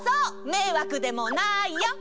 めいわくでもないよ！